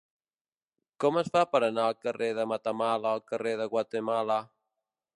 Com es fa per anar del carrer de Matamala al carrer de Guatemala?